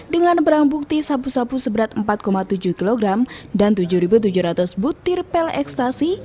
dengan perang bukti sabu sabu seberat empat tujuh kg dan tujuh tujuh ratus butir pil ekstasi